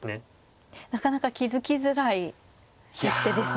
なかなか気付きづらい一手ですね。